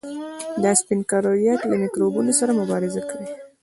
دا سپین کرویات له میکروبونو سره مبارزه کوي.